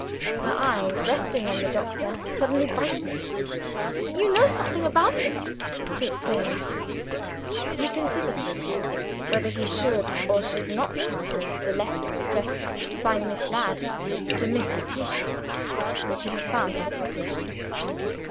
Her eyes, resting on the doctor, suddenly brightened. "You know something about it!" she exclaimed. He considered a little whether he should or should not tell her of the letter addressed by Miss Ladd to Miss Letitia, which he had found at the cottage.